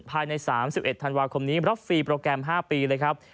ภายใน๓๑ธันวาคมนี้รับฟรีโปรแกรม๕ปีเลยครับ